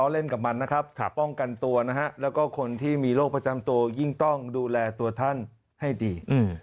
แล้วก็คนที่มีโรคประจำโตยิ่งต้องดูแลตัวท่านให้ดี